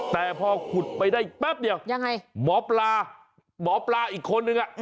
แต่พอขุดไปได้แป๊บเดียวยังไงหมอปลาหมอปลาอีกคนนึง